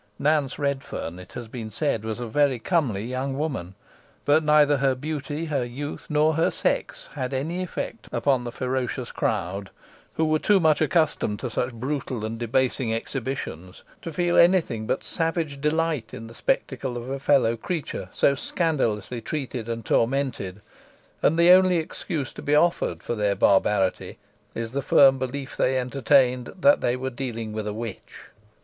Nance Redferne, it has been said, was a very comely young woman; but neither her beauty, her youth, nor her sex, had any effect upon the ferocious crowd, who were too much accustomed to such brutal and debasing exhibitions, to feel any thing but savage delight in the spectacle of a fellow creature so scandalously treated and tormented, and the only excuse to be offered for their barbarity, is the firm belief they entertained that they were dealing with a witch.